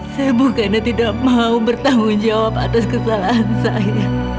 saya bukannya tidak mau bertanggung jawab atas kesalahan saya